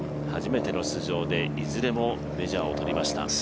初めての出場でいずれもメジャーを取りました。